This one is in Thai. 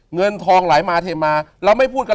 เงินทองหลายมาเทมาแล้วไม่พูดกัน